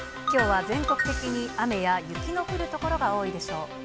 きょうは全国的に雨や雪の降る所が多いでしょう。